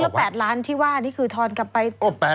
แล้ว๘ล้านที่ว่านี่คือทอนกลับไป